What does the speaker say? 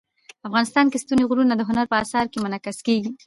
افغانستان کې ستوني غرونه د هنر په اثار کې منعکس کېږي.